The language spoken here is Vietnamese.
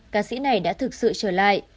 ca sĩ này đã thực sự trở lại